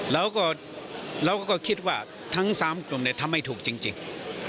เราก็คิดว่าทั้ง๓กลุ่มทำไม่ถูกจริง